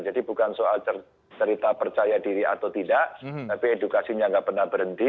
jadi bukan soal cerita percaya diri atau tidak tapi edukasinya enggak pernah berhenti